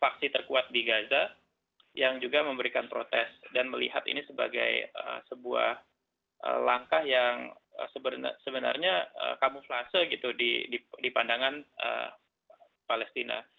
vaksin terkuat di gaza yang juga memberikan protes dan melihat ini sebagai sebuah langkah yang sebenarnya kamuflase gitu di pandangan palestina